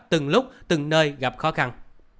từng lúc từng nơi gặp khó khăn